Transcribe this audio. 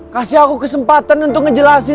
kasih aku kesempatan untuk ngejelasin